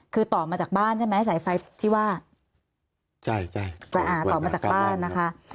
คือต่อมาจากบ้านใช่ไหมสายไฟที่ว่าต่อมาจากบ้านนะคะ